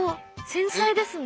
繊細ですね。